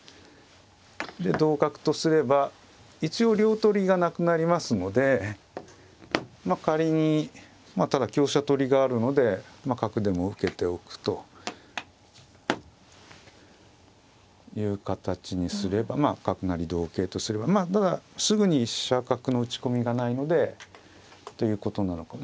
で同角とすれば一応両取りがなくなりますので仮にまあただ香車取りがあるので角でも受けておくという形にすればまあ角成同桂とすればまあただすぐに飛車角の打ち込みがないのでということなのか。